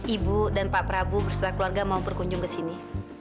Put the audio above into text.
ibu dan pak prabowo berserta keluarga mau berkunjung ke sini